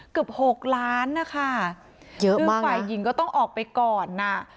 เกือบหกล้านนะคะซึ่งฝ่ายหญิงก็ต้องออกไปก่อนน่ะ